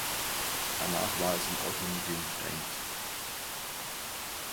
Danach war es im Automuseum Stainz.